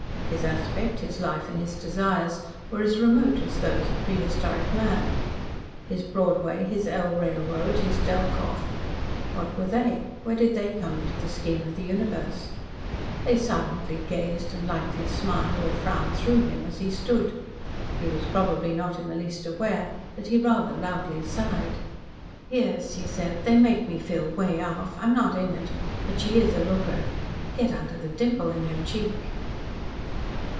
His aspect, his life, and his desires were as remote as those of prehistoric man. His Broadway, his L railroad, his Delkoff what were they where did they come into the scheme of the Universe? They silently gazed and lightly smiled or frowned THROUGH him as he stood. He was probably not in the least aware that he rather loudly sighed. "Yes," he said, "they make me feel 'way off. I'm not in it. But she is a looker. Get onto that dimple in her cheek."